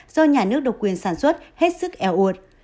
do nhà nước độc quyền sản xuất hết sức éo ụt